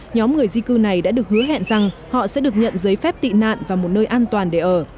nhóm người di cư này đã được hứa hẹn rằng họ sẽ được nhận giấy phép tị nạn và một nơi an toàn để ở